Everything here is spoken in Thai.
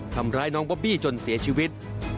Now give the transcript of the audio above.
ทำร้ายน้องบอบบี้จนเสียชีวิต